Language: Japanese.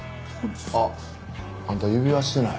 あっあんた指輪してない。